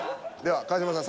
川島さん